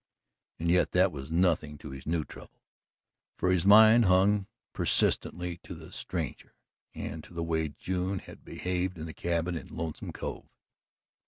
And yet that was nothing to his new trouble, for his mind hung persistently to the stranger and to the way June had behaved in the cabin in Lonesome Cove.